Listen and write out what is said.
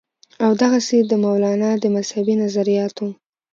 او دغسې د مولانا د مذهبي نظرياتو